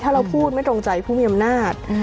ถ้าเราพูดไม่ตรงใจผู้มีอำนาจ